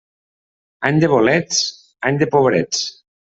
Any de bolets, any de pobrets.